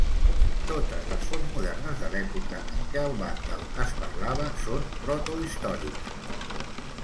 Totes les fonts modernes de l'època en què el vàndal es parlava són protohistòriques.